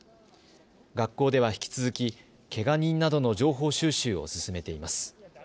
学校では引き続き、けが人などの情報収集を進めています。